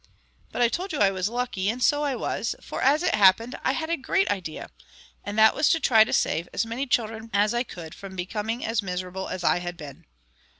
But I told you I was lucky, and so I was, for as it happened I had a great idea; and that was to try and save as many children as I could from being as miserable as I had been.